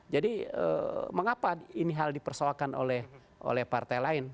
jadi mengapa ini hal dipersoalkan oleh partai lain